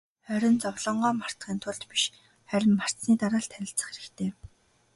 Харин зовлонгоо мартахын тулд биш, харин мартсаны дараа л танилцах хэрэгтэй.